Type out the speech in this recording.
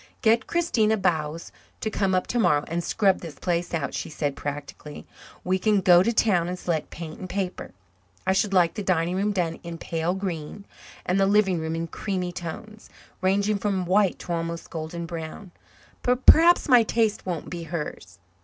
"Get Christina Bowes to come up tomorrow and scrub this place out," she said practically. "We can go to town and select paint and paper. I should like the dining room done in pale green and the living room in creamy tones, ranging from white to almost golden brown. But perhaps my taste won't be hers."